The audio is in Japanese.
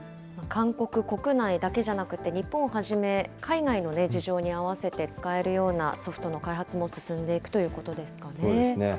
韓国国内だけじゃなくて、日本をはじめ海外の事情に合わせて使えるようなソフトの開発も進そうですね。